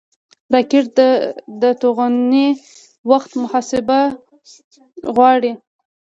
راکټ د توغونې وخت محاسبه غواړي